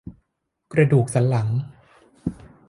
กระดูกสันหลัง